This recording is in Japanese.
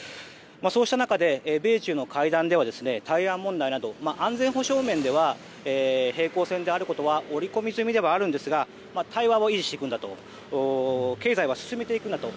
そうした中で、米中の会談では台湾問題など安全保障面では平行線であることは織り込み済みですが対話を維持していくんだと経済は進めていくんだと。